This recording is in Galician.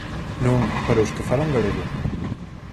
Non, para os que falan galego.